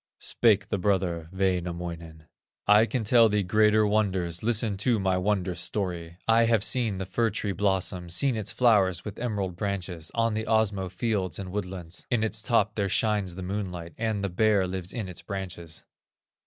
Spake the brother, Wainamoinen: "I can tell thee greater wonders, Listen to my wondrous story: I have seen the fir tree blossom, Seen its flowers with emerald branches, On the Osmo fields and woodlands; In its top, there shines the moonlight, And the Bear lives in its branches."